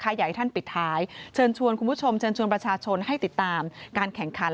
อยากให้ท่านปิดท้ายเชิญชวนคุณผู้ชมเชิญชวนประชาชนให้ติดตามการแข่งขัน